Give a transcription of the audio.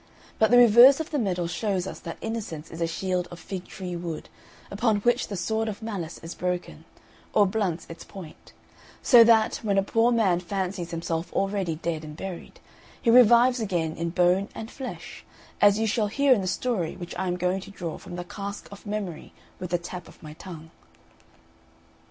But the reverse of the medal shows us that innocence is a shield of fig tree wood, upon which the sword of malice is broken, or blunts its point; so that, when a poor man fancies himself already dead and buried, he revives again in bone and flesh, as you shall hear in the story which I am going to draw from the cask of memory with the tap of my tongue.